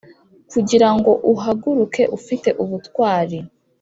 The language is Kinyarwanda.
kugirango uhaguruke ufite ubutwari,